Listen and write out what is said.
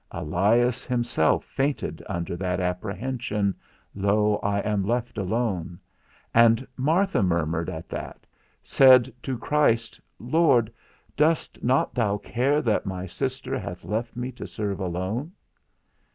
Elias himself fainted under that apprehension, Lo, I am left alone; and Martha murmured at that, said to Christ, _Lord, dost not thou care that my sister hath left me to serve alone?